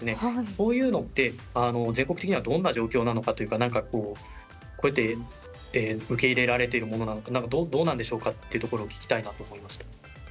こういうのって全国的にはどんな状況なのかというかこうやって受け入れられているものなのかどうなんでしょうかってところを聞きたいなと思いました。